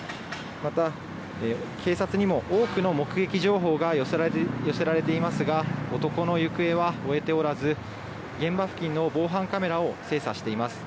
また警察にも多くの目撃情報が寄せられていますが男の行方は追えておらず現場付近の防犯カメラを精査しています。